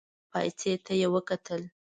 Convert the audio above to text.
پايڅې ته يې وکتل.